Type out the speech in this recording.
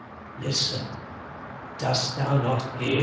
Listen I Dost thou not hear